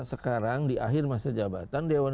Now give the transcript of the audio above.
sekarang di akhir masa jabatan dewan